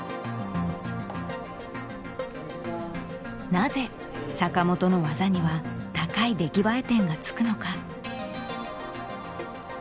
なぜ坂本の技には高い出来栄え点がつくのか。